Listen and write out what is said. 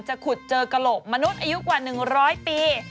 ขุดเจอกระโหลกมนุษย์อายุกว่า๑๐๐ปี